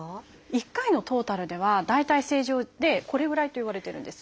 １回のトータルでは大体正常でこれぐらいといわれてるんです。